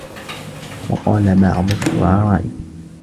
وَقَالَ بَعْضُ الشُّعَرَاءِ ،